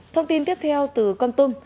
thông tin tiếp theo từ con tôm